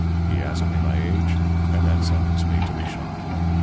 He asked me my age, and then sentenced me to be shot.